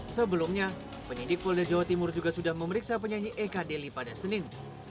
sebelumnya penyidik polda jawa timur juga sudah memeriksa penyanyi eka deli pada senin